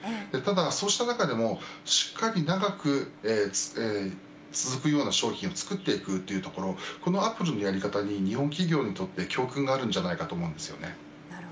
ただ、そうした中でもしっかり長く続くような商品を作っていくというところこのアップルのやり方に日本企業にとって教訓があると思います。